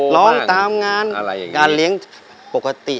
ร้องตามงานงานเลี้ยงปกติ